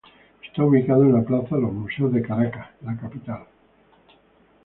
Está ubicado en la Plaza Los Museos de Caracas, la capital.